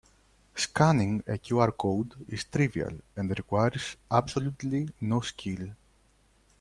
Scanning a QR code is trivial and requires absolutely no skill.